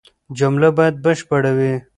جمله بايد بشپړه وي.